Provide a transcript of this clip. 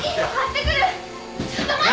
ちょっと待ってて！